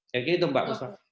kayak gitu mbak